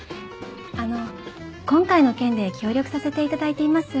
あの今回の件で協力させていただいています